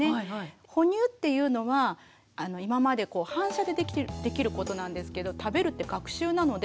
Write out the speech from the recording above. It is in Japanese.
哺乳っていうのは今まで反射でできることなんですけど食べるって学習なのであっ